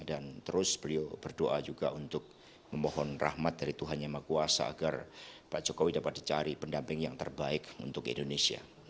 dan terus beliau berdoa juga untuk memohon rahmat dari tuhan yang maha kuasa agar pak jokowi dapat dicari pendamping yang terbaik untuk indonesia